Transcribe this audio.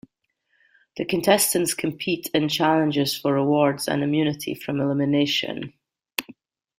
The contestants compete in challenges for rewards and immunity from elimination.